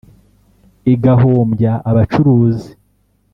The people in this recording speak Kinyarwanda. igahombya abacuruzi